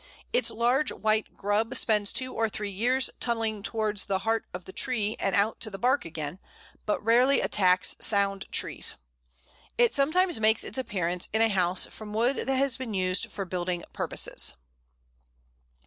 Its large white grub spends two or three years tunnelling towards the heart of the tree and out to the bark again, but rarely attacks sound trees. It sometimes makes its appearance in a house from wood that has been used for building purposes. [Illustration: Pl. 156. Flowers and Cone of Larch.